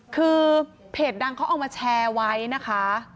คือเพจดังเขาเอามาแชร์ไว้นะคะ